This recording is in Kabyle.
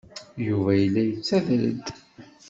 Yuba yella yettader-d.